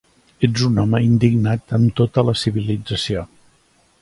Ets un home indignat amb tota la civilització.